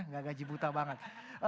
gak gaji buta banget